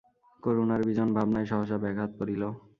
করুণার বিজন ভাবনায় সহসা ব্যাঘাত পড়িল।